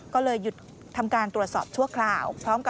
ก็เลยหยุดทำการตรวจสอบชั่วคราว